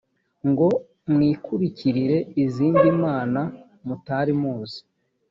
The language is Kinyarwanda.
ngo mwikurikirire izindi mana mutari muzi.